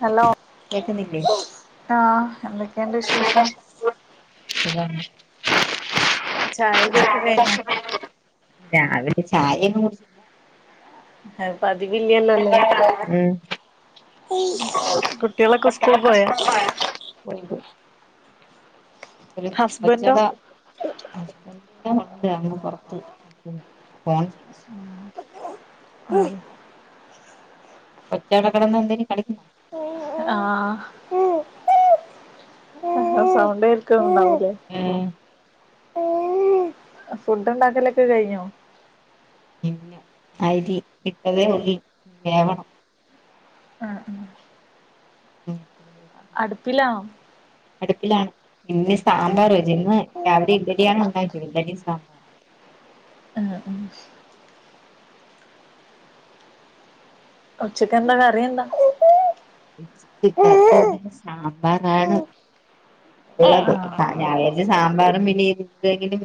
Hello കേക്കുന്നില്ലേ ആഹ എന്തൊക്കെയുണ്ട് വിശേഷം [inaudible] ചായകുടി ഒക്കെ കഴിഞ്ഞോ രാവിലെ ചായെന്നും കുടി അത് പതിവിലലോലെ ഉം കുട്ടികളൊക്കെ സ്കൂൾ പോയാ [unintelligible] ഒരു ഹസ്ബൻഡോ പച്ചട ഹുസ്ബന്റിന്റെ [unintelligible] അങ്ങ് പുറത്ത് [unintelligible] ഫോൺ ചെയ്യ ഉം ഉം കൊച്ച് അടെ കടന്ന് എന്തേലും കളിക്കുന്നോ ആഹ് സൗണ്ട് കോൾക്കുണ്ടാവൂലെ ഉം ഫുഡ് ഉണ്ടാക്കലൊക്കെ കഴിഞ്ഞോ ല്ല അരി ഇട്ടതേ ഉള്ളി വേവണം ആ ആ മത്ര അടുപ്പിലാണോ അടുപ്പിലാണ് ഇന്ന് സാമ്പാർ ഇന്ന് രാവിലെ ഇഡലിയാണ് ഉണ്ടാക്ക ഇഡ ലിയും സാമ്പാ- ആഹ ഉ ഉച്ചക്ക എന്ത കറി എന്താ ആഹ് ഇെ സാമ്പാറാണ് അതെ ഞായ് സാമ്പാറും പിനി എന്തെങ്കിലും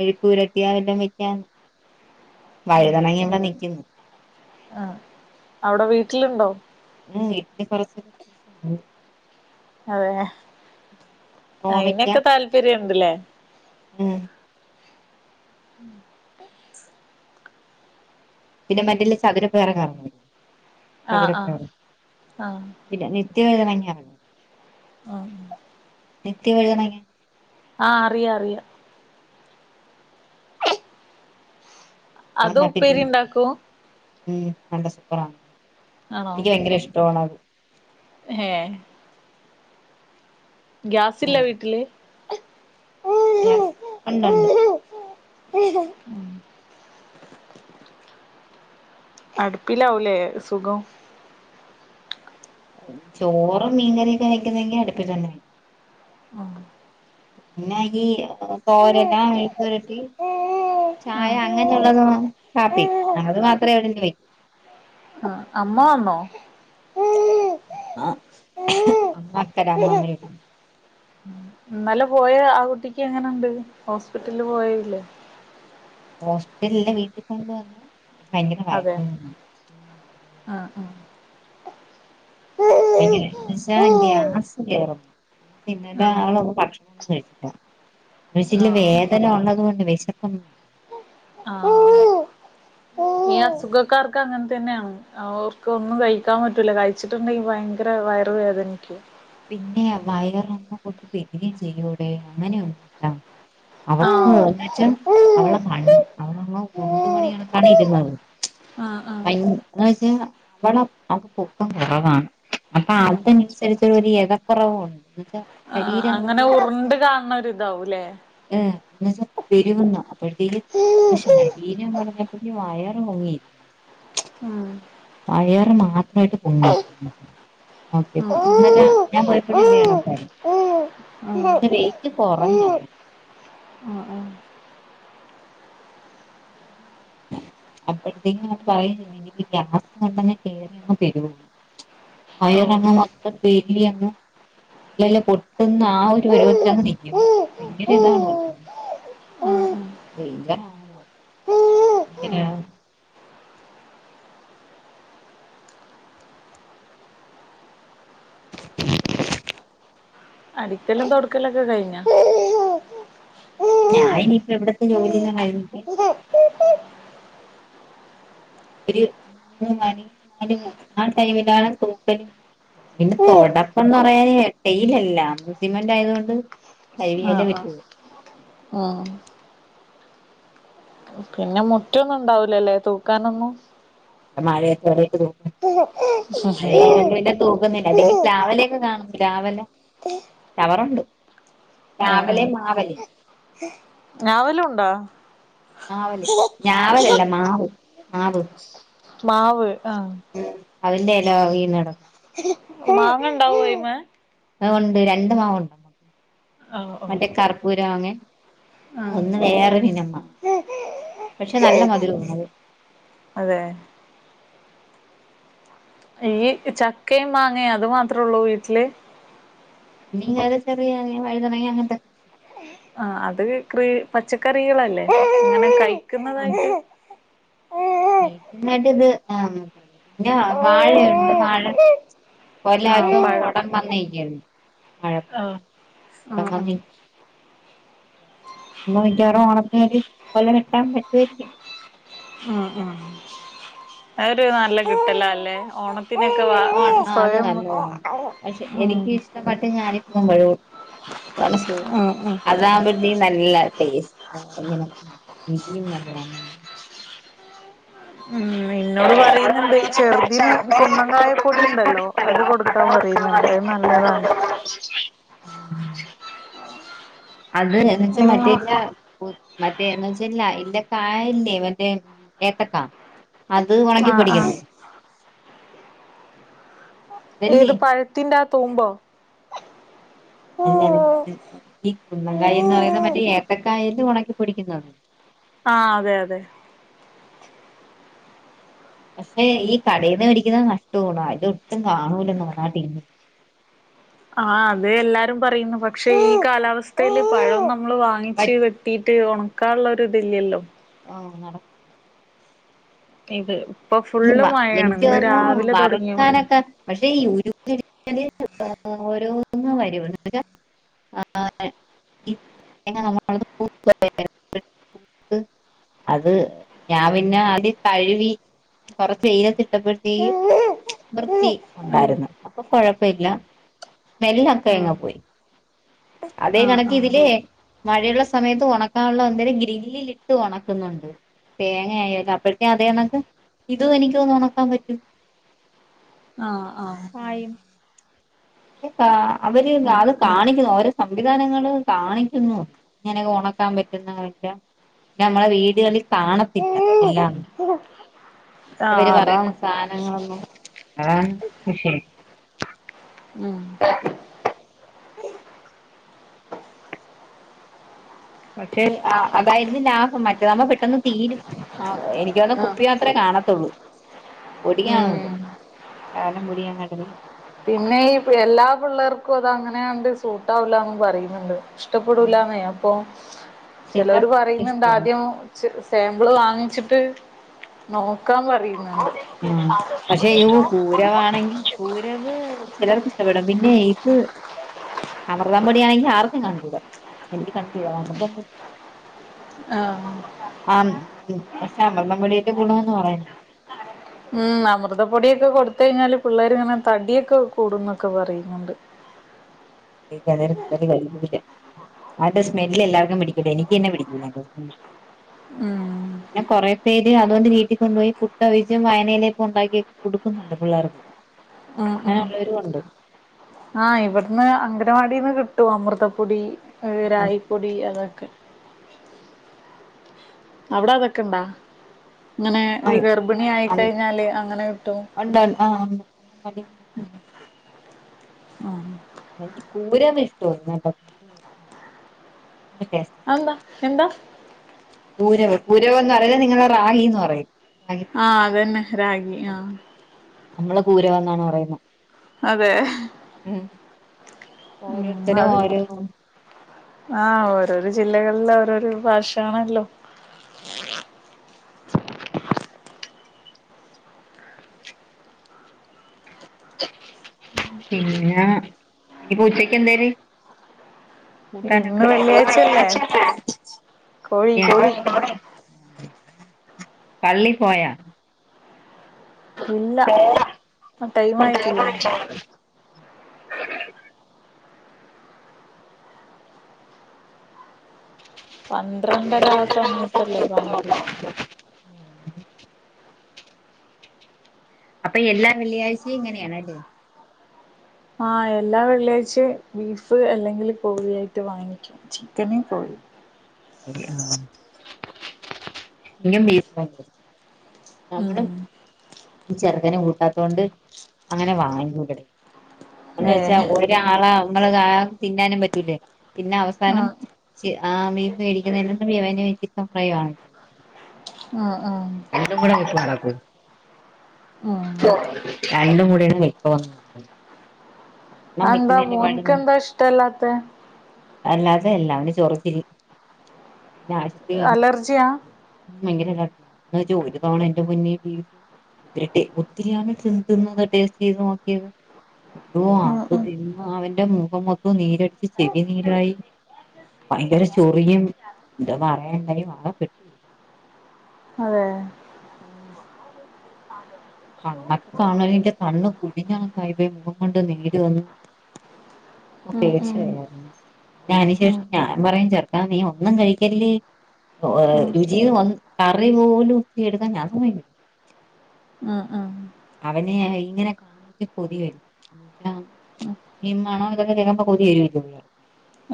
മെയ്ക്പുരട്ടിയോഎ തൊ വെക്കാ വഴുതണങ്ങി ഇമ്മടെ നിൽക്കുന്നു ആഹ് അവിടെ വീട്ടിലുണ്ടോ ഉ വീട്ടന് കൊറച്ചൊക്കെ കൃഷിയാണ് അതെ കോവയ്ക്ക അയിനൊക്കെ താല്പര്യംണ്ട്ല്ലേ ഉം പിന്നെ മറ്റില് ചതുരപ്പയർ കറ ആഹ് ആഹ് ചതുരപ്പേറെ ആഹ് പിന്നെ നിത്യവഴുതണങ്ങ ആഹ് നിത്യവഴുതണങ്ങ ആഹ് അറിയ അറിയാം അ അത് ഉപ്പേരി നട്ടിട്ടുണ്ട് ഉണ്ടാക്കും ഉ നല്ല സൂപ്പറാ ആണോ എനിക്ക് ഭയങ്കര ഇഷ്ടമാണ് അത് ഏ ഗ്യാസ് ഇല്ല വീട്ടില് ഗ്യാസ് ഉണ്ടുണ്ട് [unintelligible] അടുപ്പിലാവുലേ സുഖം ചോറും മീൻകറിയൊക്കെ വയ്ക്കുന്നതെങ്കിൽ അടുപ്പിൽ തന്നെ വും ഉഹ പിന്നെആണെകി ഈ തോരന മെഴക്കുരട്ടി ചായ ആഹ് അങ്ങനെയുള്ളതും കാപ്പി അ അത് മാത്രമേ എവിടെന്ന് വെക്കൂ അമ്മ വന്നോ ആ അമ്മ അക്കട അമ്മ മ എന്നാല പോയ ആ കുട്ടിക്ക് എങ്ങനുണ്ട് ഹോസ്പിറ്റലില് പോയല്ലേ ഹോസ്പിറ്റലല്ല വീട്ടിൽ കൊണ്ട് വന്നു പ ഭയങ്കര വയകാ ആ ആഹ അങ്ങനെ എന്ന് വെച്ചാൽ ആഹ് ഗ്യാസ് കേ റും പിന്നല്ല ആളൊന്നും ഭക്ഷണ ഒന്നും കഴിച്ചില്ല ഒരുല്ല ആഹ് വേദന ഉള്ളത്കൊണ്ട് വിശപ്പം ആഹ് ആഹ് ഈ അസുഖക്കാർക്ക് അങ്ങനെ തന്നെയാണ് ഓർക്ക് ഒന്നും കഴിക്കാൻ പറ്റൂല. കഴിച്ചിട്ടുണ്ടെങ്കിൽ ഭയങ്കര വയറവേതെനിക്ക് പിന്നെ വയറ ഒന്ന കൊട്ട് പെരികയും ചെയ്യൂടെ അങ്ങനെൊന്നല്ല അവക്ക് ആഹ് എന്ന വെച്ചാൽ ആഹ് അവളെ അവളങ്ങനെ ഡുണ്ടു മണി കണകാ ഇരുന്നത് അ ആഹ് എന്നാ വെച്ചാ അവള അത് പൊക്കം കുറവാണ് അപ്പൊ ആഹ് അനനുസരിച്ച് തക്കറവ ഉണ്ട് വെച്ചാ ആഹ് ശരീരം അങ്ങനെ കൊണ്ട് ഉറിണ്ട് കാണണ ഒരി ഇതാവൂല്ലേ ഏഹ് ഒന്ന് പെരുവന്നോ അപ്പോഴത്തേക്ക് ഉം വീന പറഞ്ഞപ്പ വയറ്ങ്ങിരുന്നു ആ വയറ് മാത്രമായിട്ട് പൊങ്ങി ഓക്കെ ഉം ഇന്നലെ ഞാൻ പോയപ്പോഴും ഉം [unintelligible] ഉം ഉം ഉം വെയിറ്റ് കുറഞ്ഞോ ആ അപ്പോഴത്തേക്കും നമ്മ പറയ എനിക്ക് ഗ്യാസ് പെട്ടന്ന് കയറി ഓഹ് വയറണ് മൊത്ത [unintelligible] ഇല്ലല്ല പൊട്ടുന്ന ആ ഒരു പരുവത്തിൽ അങ് നിക്കും. ഭയങ്കര ഇതാണ് ഉം ഉം വയ്യ ഉം ങ്ങനെ അടിക്കല തൊടുക്കലൊക്കെ കഴിഞ്ഞാ ഉം ഞാനപ്പോ വിടുത്തെ ജോലില്ലാം കഴിഞ്ഞിട് ഒരു മൂന്ന് മണി നാല് മണി ആ ടൈമിലാാണ് തൂക്കലും പിന്നെ തൊടപ്പംന്ന് പറഞ്ഞാല് ഡയലിയല്ല സിമെന്റ് ആയത്കൊണ്ട് കഴുകിയല്ലേ ആഹ് വിട്ടു ആഹ് പിന്നെ മുറ്റൊന്നും ഇണ്ടാവുലല്ലേ തൂക്കാനൊന്നും മഴയത്ത് [unintelligible] മഴയായൊണ്ട് പിന്നെ തൂക്കുന്നില്ല അല്ലെങ്കിൽ പ്ലാവിലെയൊക്കെ കാണും പ്ലാവില ചവറുണ്ട് രാവിലെ മാവലെ ഞാവലും ഉണ്ടോ മാവല് ഞാവലല്ല മാവ് മാവ് മാവ് ആഹ് ഉം അതിന്റെല വീണുകിടക്കും മാങ്ങ ഉണ്ടാവോ അയിമേ ഒണ്ട് രണ്ട് മാവുണ്ട് ആഹ് ആഹ് മറ്റേ കർപ്പൂരം മാങ്ങെ ആഹ് ഒന്ന് വേറെ വിനമ്മ അത് അതെ ഈ ചക്കയും മാങ്ങയും അതു മാത്രേ ഉള്ളൂ വീട്ടില് പിന്നെ ഇങ്ങനെ ചെറിയ വഴുതനങ്ങ അങ്ങനത്തെ ആഹ് അത് ക്രി പച്ചക്കറികളല്ലേ അങ്ങനെ കഴിക്കുന്നതായിട്ട് കഴുക്കുന്നായിട്ട് ഇത് ആഹ് മാത്രല്ല പിന്നെ വാഴയുണ്ട് വാഴ കൊല ആഹ് ഇപ്പം പഴം കൊടം വന്നിക്കാരുന്നു വാഴക്കൊല ആഹ് കൊടം ആഹ് വന്നി ആഹ് അന്ന് മിക്കവാറും ഓണത്തില് കൊല വെട്ടാൻ പറ്റുവായിരിക്കും ആഹ് ആഹ് ആഹ് ഒരു നല്ല കിട്ടലാല്ലേ ഓണം പിന്നൊക്കെ വാ ഓൺ ആ അത് സ്വയം ഒന്ന് ഉം [unintelligible] ആഹ് ആഹ് അത് നല്ല ടേസ്റ്റാ ഇങ്ങനെ രുചിയും നല്ലതാണ് ഉം ഇന്നോട് പറയുന്നുണ്ട് ചെറുതിന് കുന്നങ്കായ പൊടി ഉണ്ടല്ലോ അത് കൊടുക്കാൻ പറയുന്നുണ്ട് അത് നല്ലതാണ് [unintelligible] അത് എന്ന് വച്ചാ നിങ്ങ മറ്റേന്റാ മറ്റേ എന്നുവെച്ചാൽ ഇല്ല കായല്ലേ മറ്റേ ഏത്തക്കാ അത് ആഹ് ആഹ് ഒണക്കിപ്പൊടിക്കണം അതല്ലേ ഏത് പഴത്തിന്റെ ആ തൂമ്പോ അല്ല ഈ കുന്നംകായ എന്ന് പറയുന്നത് മറ്റേ ഏത്തക്കായല്ലേ ഉണക്കിപ്പൊടിക്കുന്നത് ആഹ് അതെ അതെ പക്ഷേ ഈ കടയിന്ന് മേടിക്കുന്നത് നഷ്ടമാണ് അതോട്ടും കാണൂലെന്നോ ആ ടീമ് ആഹ് അത് എല്ലാരും പറയുന്നു പക്ഷെ ഈ കാലാവസ്ഥയിൽ പഴം ഒന്നും നമ്മള് വാങ്ങിച്ച് വെട്ടിട്ട് ഉണക്കാൻള്ള ഒരു ഇതില്ലല്ലോ ആഹ് നടക്ക ഇത് ഇവ ഫുള്ള് മഴയാണ് എനിക്ക് ഇന്ന് തോന്നുന്നു രാവിലെ തുടങ്ങിയ മഴ വറുക്കാനൊക്കെ പക്ഷേ ഈ ഉരുക്കിയെടുക്കല് ഓരോന്ന് വരും [inaudible] [inaudible] അത് ഞാൻ പിന്നെ ആദ്യ തഴവി കൊറച്ച് വെയിലത്തിട്ടപ്പോഴത്തേക്ക് വൃത്തി ആഹ് ഉണ്ടായിരുന്നു. അപ്പൊ കൊഴപ്പല്ല സ്മെൽ ഒക്കെ എങ്ങോ പോയി അതേ ആഹ് കണക്ക് ആഹ് ഇതിലെ മഴയുള്ള സമയത്ത് ഉണക്കാനുള്ള എന്തേലും ഗ്രില്ലിലിട്ട് ഉണക്കുന്നുണ്ട് തേങ്ങയായാല്ലോ അപ്പോഴത്തെ അതെയണക്ക് ഇതും എനിക്ക് തോന്നുന്നു ഒണക്കാൻ പറ്റും ആഹ് ആഹ് കായിം അവര് ഉം അത് കാണിക്കുന്നു ഓരോ സംവിധാനങ്ങളും കാണിക്കുന്നു ഇങ്ങനെ ഉണക്കാൻ പറ്റുന്നല്ല നമ്മളെ വീഡിയോയിൽ കാണത്തില്ല എല്ലാം പിന്ന ഇവര് പറയുന്ന സാധനങ്ങളൊന്നും [unintelligible] ഉം ആ പക്ഷെ അതായിരുന്നു ലാഭം. മറ്റേതാവുമ്പോ പെട്ടെന്ന് തീരും ആഹ് എനിക്കതോന്ന ആഹ് കുപ്പി മാത്രമേ കാണത്തുള്ളൂ പൊടി കാണൂല ഉം [unintelligible] പിന്നെ എല്ലാ പിള്ളേർക്കും അത് അങ്ങനെയാണ്ട് സൂട്ട് ആവില്ല ന്നും പറയുന്നുണ്ട് ഇഷ്ടപ്പെടൂലാന്നേ അപ്പൊ. ചിലര് ചിലർക്ക് പറയുന്നുണ്ട് ഇഷ്ടമാണ് ആദ്യം സാമ്പിള് വാങ്ങിച്ചിട്ട് നോക്കാൻ പറയുന്നുണ്ട് ആഹ് പക്ഷെ യൂ പൂരവാണെങ്കിൽ പൂരവ് ചിലർക്ക് ഇഷ്ടപ്പെടാം പിന്നെ ഇത് അമൃത പൊടിയണെങ്കിൽ ആർക്കും കണ്ടുട. എനിക്ക് ആഹ് ആ ഉം പക്ഷേ അമൃതം പൊടിയേട്ട് ഗുണംന്ന് പറയുന്ന ഉം അമൃതപ്പൊടിയൊക്കെ കൊടുത്ത കഴിഞ്ഞാല്, പിള്ളേർ ഇങ്ങനെ തടിയൊക്കെ കൂടുന്നൊക്കെ പറയുന്നുണ്ട്. [unintelligible] കഴിയൂല ആൾടെ സ്മെല്ല് എല്ലാർക്കും പിടിക്കൂല. എനിക്കന്നെ പിടിക്കൂല ഉം പിന്നെ കുറെ പേര് അതുകൊണ്ട് വീട്ടിൽ കൊണ്ടുപോയി പുട്ടവിച്ചം വായനയിലൊപ്പ ഉണ്ടാക്കിക്കെ കൊടുക്കുന്നുണ്ട് പിള്ളേർക്കും ഉം അങ്ങനെ ഉം ഉള്ളോരും ഉണ്ട് ആഹ് ഇവിടുന്ന് അംഗനവാടിന്ന് കിട്ടു, അമൃതപ്പൊടി രായിപ്പൊടി അതൊക്കെ അവിടതൊക്കെ ഉണ്ടാ ങ്ങനെ ആ ഗർഭിണി ആയി ആ കഴിഞ്ഞാല് അങ്ങനെ കിട്ടും ഉണ്ട് ആ ഉം എനിക്ക് കരം ഇഷ്ടവും എന്ന ആ ന്താ എന്താ പൂരവ് പൂരവം എന്ന് പറഞ നിങ്ങളുടെ റാഗി എന്ന് പറയും റാഗി ആഹ് അതന്ന റാഗി ആഹ് നമ്മള് പൂരവ് എന്നാണ് പറയുന്നത് അതെ ഉം ഉം ഓരോരുത്തരും അത് ഓരോ ആഹ് ഓരോരു ജില്ലകളില ഓരോരു ഭാഷയാണല്ലോ പിന്നെ ഇന്നപൂച്ചക്ക് എന്തേനി ഇന്ന് വെള്ളിയാഴ്ചയല്ലേ? കോഴി കോഴി [inaudible] പള്ളി പോയ ഇല്ല ആ ടൈം ആയിട്ടില്ലേ [unintelligible] പന്ത്രണ്ടര ആ സമയത്തല്ലോ ബാങ്ക് അപ്പൊ എല്ലാ വെള്ളിയാഴ്ചയും ഇങ്ങനെയാണല്ലേ ആ എല്ലാ വെള്ളിയാഴ്ചയും ബീഫ് അല്ലെങ്കിൽ കോഴിയായിട്ട് വാങ്ങിക്കും ചിക്കനും കോഴി [unintelligible] [unintelligible] ബീഫ് ഭയ ഉം ഈ ചെറുക്കനെ കൂട്ടാത്തൊണ്ട് അങ്ങനെ വാങൂം ഇബടെ എന്നന്ന് വെച്ചാ ഏഹ് ഒരാളാ നമ്മള് തിന്നാനും പറ്റൂലേ പിന്നെ അവസാനം ആഹ് ആ മീൻ മേടിക്കുന്ന എല്ലെവന ചിക്കൻ ഫ്രൈ വേണും ആഹ ആഹ രണ്ടൂടിട്ട പോയി ഉം രണ്ട മൂട നിക്ക വന്നത് അന്താ പാട് മോൻക്കന്താ ഇഷ്ടല്ലാത്തെ അല്ലാതെ അലാ അവന് ചോറതിരി പിന്നെ ആശുപത്രി ഉ അലർജിയാ ഭയങ്കരല്ല അഥിയാണ് എന്ന വച്ച ഒരു തവണ എന്റെ പൊന്നേ ബീഫ് ഇ ഒത്തിരിയാണ് തിന്നത് ടേസ്റ്റ് ചെയ്ത് നോക്കിയത് അതോ [unintelligible] ഉം അവൻ ഉം തിന്ന് അവന്റെ മുഖം മൊത്തം നീരടിച്ച് ചെവി നീരായി. ഭയങ്കര ചൊറിയും ഇത് പറയണ്ട ആകെ പെട്ടു. അതെ [unintelligible] ഉം [unintelligible] കണ്ണകെ കാണണേകെ കണ്ണ് കുഴിഞ്ഞാണ്. മുഖത്തു നീര് വന്ന് [unintelligible] ഉം ഉം വയായിരുന്നു ഉം അതിനുശേഷം ഞാൻ പറയും ചെർക്കാ നീ ഒന്നും കഴിക്കല്ലേ? ഉം രുചിയ വന് കറി പോലും ഒക്കെ എടുക്കാൻ ഞാൻ സമ്മയികൂലാ അ ആ അവനെ ഇങ്ങനെ കണ്ടിട്ട് കൊതിവരും എന്നുവച്ചാ. ഉം [unintelligible] ഈ മണൊക്കെ കേക്കുബോ കൊതി വരോ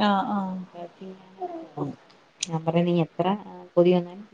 ആഹ് ആഹ് തിന്നാനൊക്കെ തോന്നും ഞാൻ പറയാണെങ്കി എത്ര കൊതിവന്നാലും.